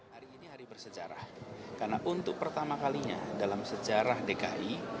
hari ini hari bersejarah karena untuk pertama kalinya dalam sejarah dki